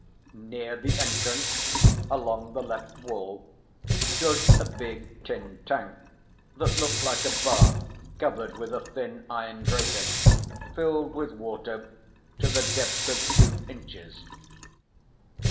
Near the entrance, along the left wall stood a big tin tank that looked like a bath covered with a thin iron grating, filled with water to the depth of two inches.